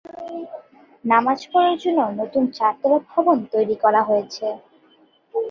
নামাজ পড়ার জন্য নতুন চারতলা ভবন তৈরি করা হয়েছে।